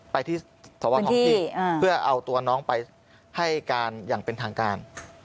ไปที่สวท้องที่เพื่อเอาตัวน้องไปให้การอย่างเป็นทางการ